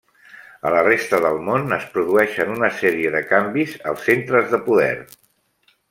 A la resta del món, es produeixen una sèrie de canvis als centres de poder.